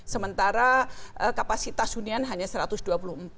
sementara kapasitas hunian hanya satu ratus dua puluh empat